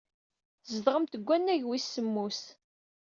Tzedɣemt deg wannag wis semmus.